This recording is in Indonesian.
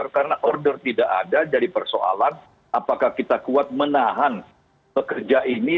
karena order tidak ada jadi persoalan apakah kita kuat menahan pekerja ini